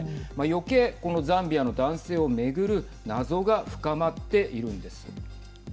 余計、このザンビアの男性を巡る謎が深まっているんです。